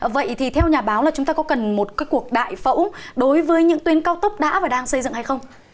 vậy thì theo nhà báo là chúng ta có cần một cuộc đại phẫu đối với những tuyến cao tốc đã và đang xây dựng hay không